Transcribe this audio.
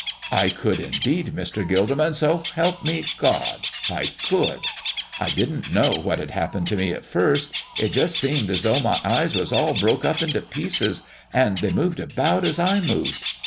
"I could, indeed, Mr. Gilderman so help me God, I could! I didn't know what had happened to me at first. It just seemed as though my eyes was all broke up into pieces, and they moved about as I moved.